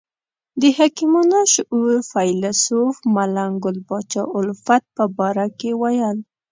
د حکیمانه شعور فیلسوف ملنګ ګل پاچا الفت په باره کې ویل.